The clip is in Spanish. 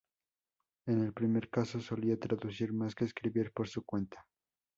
En el primer caso, solía traducir más que escribir por su cuenta.